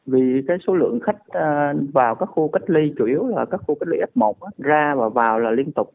vì cái số lượng khách vào các khu cách ly chủ yếu là các khu cách ly f một ra và vào là liên tục